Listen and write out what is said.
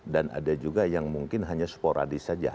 dan ada juga yang mungkin hanya sporadis saja